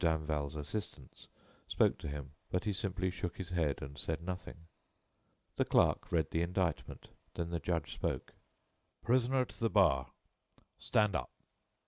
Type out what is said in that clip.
Danval's assistants spoke to him, but he simply shook his head and said nothing. The clerk read the indictment, then the judge spoke: "Prisoner at the bar, stand up.